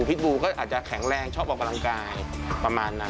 พิษบูก็อาจจะแข็งแรงชอบออกกำลังกายประมาณนั้น